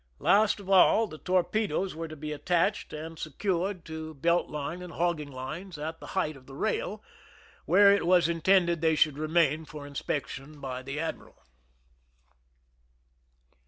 Last of all, the tor pedoes were to be attached and secured to belt 51 THE SINKING OF THE "MEEEIMAC" line and hogging lines at the height of the rail, where it was intended they should remain for inspection by the admiral.